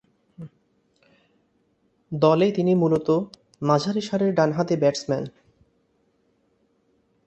দলে তিনি মূলতঃ মাঝারি সারির ডানহাতি ব্যাটসম্যান।